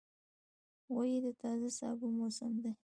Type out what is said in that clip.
غویی د تازه سابو موسم دی.